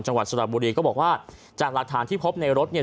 จังหวัดสระบุรีก็บอกว่าจากหลักฐานที่พบในรถเนี่ย